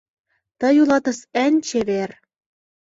Тый улатыс эн чевер